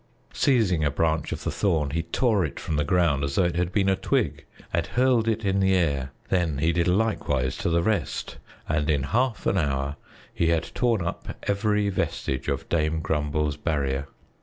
Seizing a branch of the thorn, he tore it from the ground as though it had been a twig and hurled it in the air. Then he did likewise to the rest, and in half an hour he had torn up every vestige of Dame Grumble's barrier.